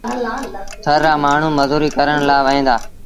ٿر رآ مآڻهوٚٚݩ مزوريٚ ڪرڻ لآ وهيݩ دآ